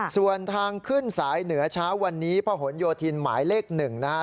ส่วนทางขึ้นสายเหนือเช้าวันนี้พระหลโยธินหมายเลข๑นะฮะ